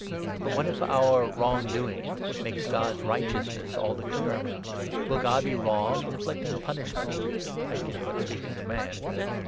But what if our wrong doing makes God's righteousness all the 5 clearer? Will God be wrong in inflicting punishment? (I can but speak as a man.)